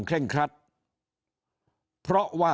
ถ้าท่านผู้ชมติดตามข่าวสาร